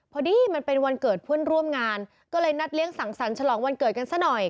พอดีมันเป็นวันเกิดเพื่อนร่วมงานก็เลยนัดเลี้ยงสังสรรคฉลองวันเกิดกันซะหน่อย